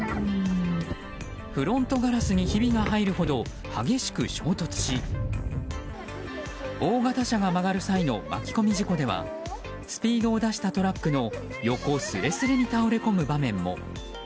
フロントガラスにひびが入るほど激しく衝突し大型車が曲がる際の巻き込み事故ではスピードを出したトラックの横すれすれに倒れ込む場面も。